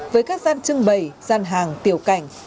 với các gian trưng bày gian hàng tiểu cảnh